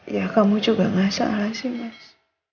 ya kamu juga nggak salah sih mas